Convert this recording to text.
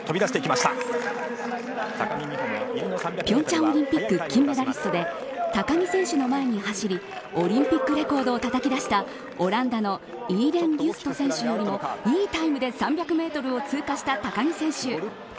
平昌オリンピック金メダリストで高木選手の前に走りオリンピックレコードをたたき出したオランダのイーレン・ビュスト選手よりもいいタイムで３００メートルを通過した高木選手。